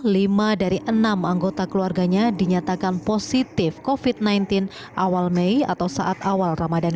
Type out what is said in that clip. lima dari enam anggota keluarganya dinyatakan positif kofit sembilan belas awal mei atau saat awal ramadan